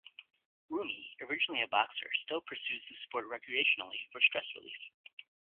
Rooney, originally a boxer, still pursues the sport recreationally for stress relief.